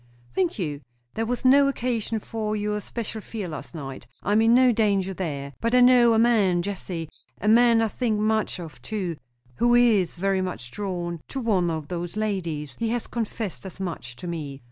"Thank you. There was no occasion for your special fear last night. I am in no danger there. But I know a man, Jessie, a man I think much of, too, who is very much drawn to one of those ladies. He has confessed as much to me.